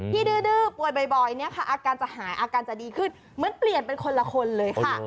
ดื้อป่วยบ่อยเนี่ยค่ะอาการจะหายอาการจะดีขึ้นเหมือนเปลี่ยนเป็นคนละคนเลยค่ะ